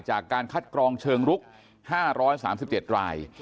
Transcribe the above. จากการคัดกรองเชิงลุก๕๓๗ราย